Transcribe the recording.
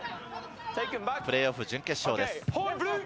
プレーオフ準決勝です。